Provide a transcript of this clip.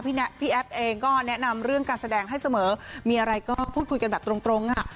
พี่แอฟเองก็แนะนำเรื่องการแสดงให้เสมอมีอะไรก็พูดคุยกันแบบตรงค่ะ